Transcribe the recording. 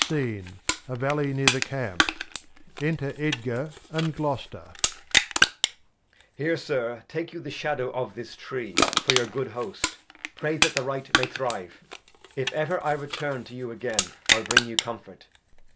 SCENE A Valley near the Camp. Enter Edgar and Gloster. Edg. Here, Sir, take you the Shadow of this Tree For your good Host ; pray that the Right may thrive : If ever I return to you again I'U bring you Comfort.